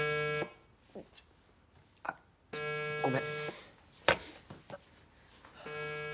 あっごめん。